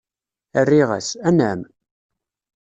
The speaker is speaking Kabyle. Rriɣ-as: Anɛam.